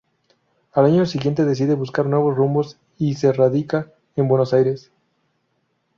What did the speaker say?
Al año siguiente decide buscar nuevos rumbos y se radica en Buenos Aires.